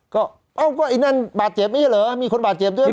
ก็เอ้าก็ไอ้นั่นบาดเจ็บไม่ใช่เหรอมีคนบาดเจ็บด้วย